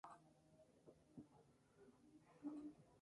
El río Paz sirve de frontera natural entre El Salvador y Guatemala.